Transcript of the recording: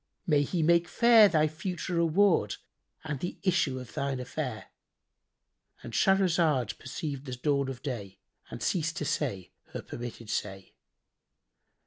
May He make fair thy future reward and the issue of thine affair!"—And Shahrazad perceived the dawn of day and ceased to say her permitted say.